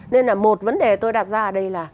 nên là một vấn đề tôi đặt ra ở đây là